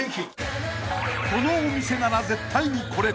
［このお店なら絶対にこれ］